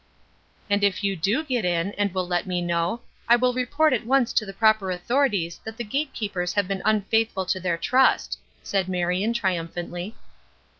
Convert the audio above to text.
"And if you do get in, and will let me know, I will report at once to the proper authorities that the gate keepers have been unfaithful to their trust," said Marion, triumphantly.